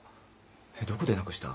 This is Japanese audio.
どこでなくした？